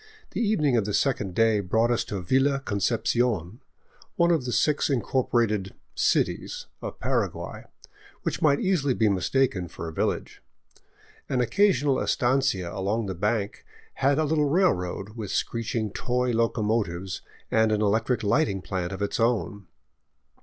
The evening of the second day brought us to Villa Concepcion, one of the six incorporated " cities " of Paraguay, which might easily be mistaken for a village. An occa sional estancia along the bank had a little railroad, with screeching toy locomotives and an electric lighting plant of its own.